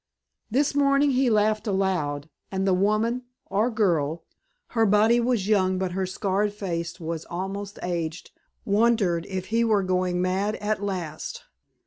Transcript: This morning he laughed aloud, and the woman or girl? her body was young but her scarred face was almost aged wondered if he were going mad at last.